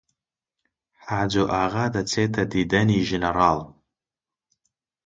حاجۆ ئاغا دەچێتە دیدەنی ژنەراڵ